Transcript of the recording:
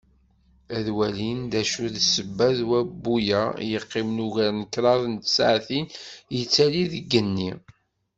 Ad walin d acu d ssebba n wabbu-a i yeqqimen ugar n kraḍ n tsaɛtin yettali deg yigenni.